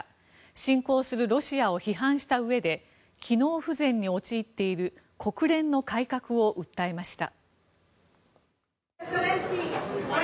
侵攻するロシアを批判したうえで機能不全に陥っている国連の改革を訴えました。